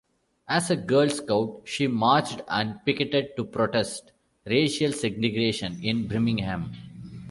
As a Girl Scout she marched and picketed to protest racial segregation in Birmingham.